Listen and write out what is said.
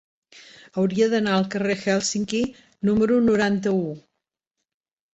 Hauria d'anar al carrer d'Hèlsinki número noranta-u.